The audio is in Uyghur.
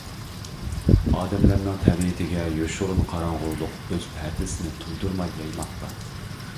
ئادەملەرنىڭ تەبىئىتىگە يوشۇرۇن قاراڭغۇلۇق ئۆز پەردىسىنى تۇيدۇرماي يايماقتا.